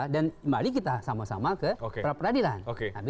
dan mari kita sama sama ke peradilan